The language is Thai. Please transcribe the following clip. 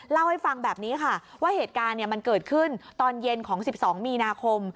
เล่าให้ฟังแบบนี้ค่ะว่าเหตุการณ์มันเกิดขึ้นตอนเย็นของ๑๒มีนาคม